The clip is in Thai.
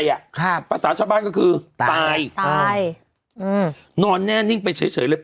ครับภาษาชาวบ้านก็คือตายตายอืมนอนแน่นิ่งไปเฉยเฉยเลย